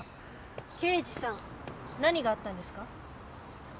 刑事さん何があったんですか？